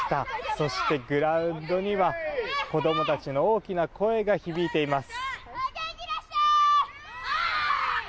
そしてグラウンドには子供たちの大きな声が響いています。